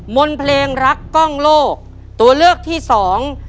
มนต์เพลงรักกล้องโลกตัวเลือกที่สอง